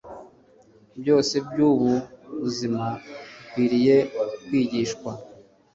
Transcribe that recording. byose byubu buzima bikwiriye kwigishwa